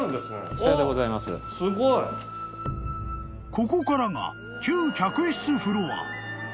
［ここからが旧客室フロア］